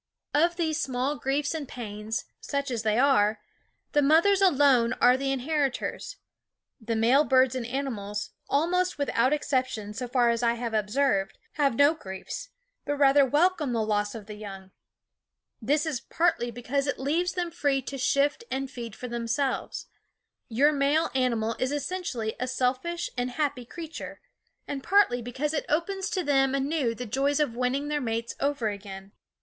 Of these small griefs and pains, such as they are, the mothers alone are the inheritors. The male birds and animals, almost without exception so far as I have observed, have no griefs, but rather welcome the loss of the young. This is partly because it leaves them free to shift and feed for themselves your male animal is essentially a selfish and happy creature and partly because it opens to them anew the joys of winning their mates over again.